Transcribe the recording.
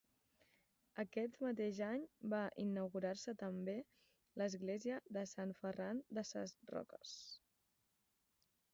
Aquest mateix any va inaugurar-se també l'església de Sant Ferran de ses Roques.